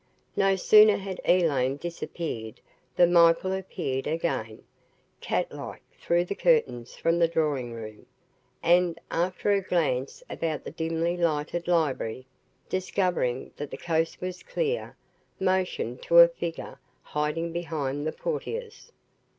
No sooner had Elaine disappeared than Michael appeared again, cat like, through the curtains from the drawing room, and, after a glance about the dimly lighted library, discovering that the coast was clear, motioned to a figure hiding behind the portieres.